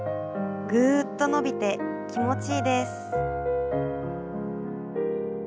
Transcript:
ぐっと伸びて気持ちいいです。